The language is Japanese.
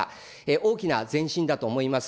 大きな前進だと思います。